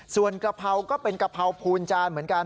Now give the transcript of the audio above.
ส่วนกะเพราก็เป็นกะเพราพูนจานเหมือนกัน